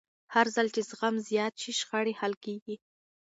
هرځل چې زغم زیات شي، شخړې حل کېږي.